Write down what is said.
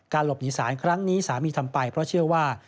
หลบหนีสารครั้งนี้สามีทำไปเพราะเชื่อว่า